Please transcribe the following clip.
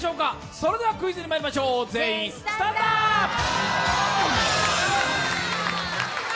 それではクイズにまいりましょう、全員スタンドアップ！